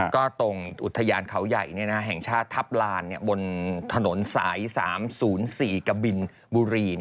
ก็ตรงอุทยานเขาใหญ่แห่งชาติทัพลานบนถนนสาย๓๐๔กบินบุรี